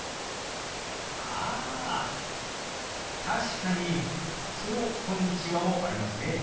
確かにその「こんにちは」もありますね。